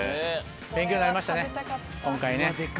勉強になりましたね今回ね。